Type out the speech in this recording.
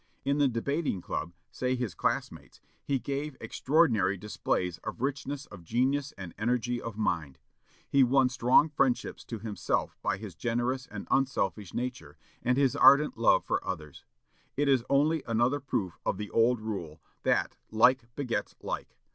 In the debating club, say his classmates, "he gave extraordinary displays of richness of genius and energy of mind." He won strong friendships to himself by his generous and unselfish nature, and his ardent love for others. It is only another proof of the old rule, that "Like begets like."